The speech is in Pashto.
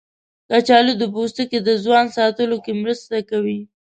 کچالو د پوستکي د ځوان ساتلو کې مرسته کوي.